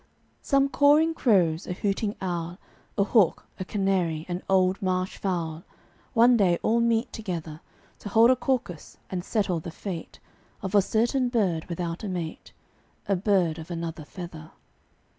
Some cawing Crows, a hooting Owl, A Hawk, a Canary, an old Marsh Fowl, One day all meet together To hold a caucus and settle the fate Of a certain bird (without a mate), A bird of another feather.